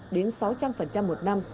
đến sáu trăm linh một năm